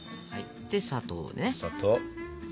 で砂糖ね。